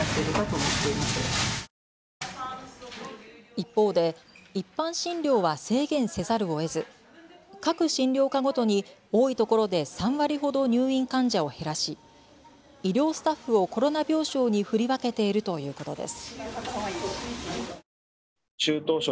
一方で一般診療は制限せざるをえず各診療科ごとに多いところで３割ほど入院患者を減らし医療スタッフをコロナ病床に振り分けているということです。